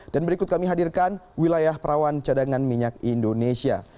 dan berikut kami hadirkan wilayah perawan cadangan minyak indonesia